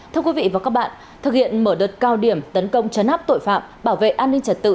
thưa quý vị và các bạn thực hiện mở đợt cao điểm tấn công chấn áp tội phạm bảo vệ an ninh trật tự